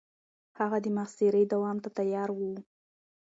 هغه د محاصرې دوام ته تيار و.